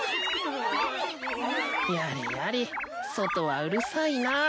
やれやれ外はうるさいなぁ。